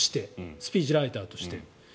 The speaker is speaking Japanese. スピーチライターとして。